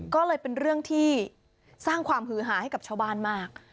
ก็เลยเป็นเรื่องที่สร้างความฮือหาให้กับชาวบ้านมาก